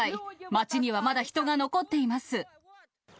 町にはまだ人が残っています。